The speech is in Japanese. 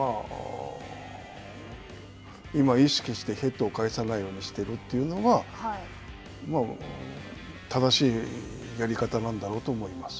今、意識してヘッドを返さないようにしているというのは、正しいやり方なんだろうと思います。